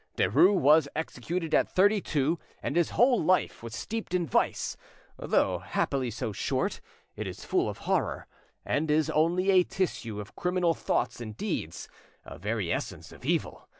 Derues was executed at thirty two, and his whole life was steeped in vice; though happily so short, it is full of horror, and is only a tissue of criminal thoughts and deeds, a very essence of evil.